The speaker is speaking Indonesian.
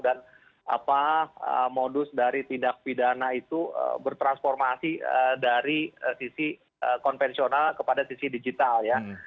dan modus dari tindak pidana itu bertransformasi dari sisi konvensional kepada sisi digital